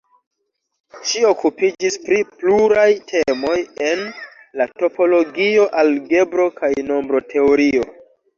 Ŝi okupiĝis pri pluraj temoj en la topologio, algebro kaj nombroteorio.